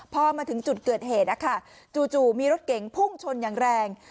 พอมาถึงจุดเกิดเหตุนะคะจู่มีรถเก๋งพุ่งชนอย่างแรง